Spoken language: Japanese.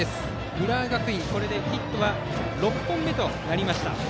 浦和学院、これでヒットは６本目となりました。